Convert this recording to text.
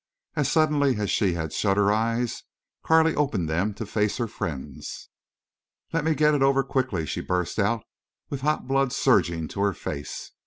As suddenly as she had shut her eyes Carley opened them to face her friends. "Let me get it over—quickly," she burst out, with hot blood surging to her face.